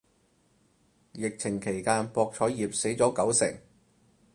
疫情期間博彩業死咗九成